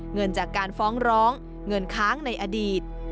เงินจากการฟ้องร้องเงินค้างในอดีต